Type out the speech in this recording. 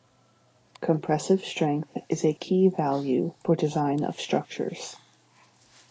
Compressive strength is a key value for design of structures.